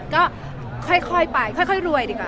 ก็ค่อยไปค่อยรวยดีกว่า